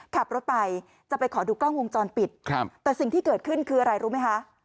ขับรถไปจะไปขอดูกล้องวงจรปิดครับแต่สิ่งที่เกิดขึ้นคืออะไรรู้ไหมคะ